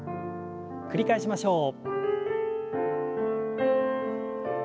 繰り返しましょう。